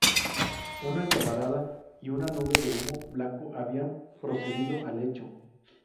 Una llamarada y una nube de humo blanco habían precedido al hecho.